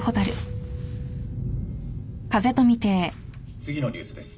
次のニュースです。